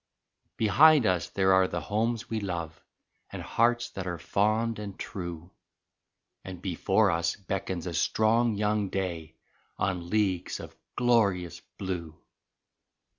Behind us there are the homes we love And hearts that are fond and true, And before us beckons a strong young day On leagues of glorious blue.